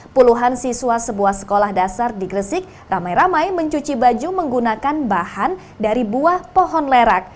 puluhan siswa sebuah sekolah dasar di gresik ramai ramai mencuci baju menggunakan bahan dari buah pohon lerak